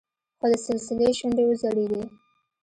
خو د سلسلې شونډې وځړېدې.